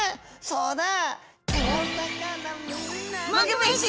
そうだ！